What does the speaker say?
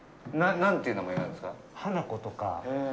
何ていう名前なんですか。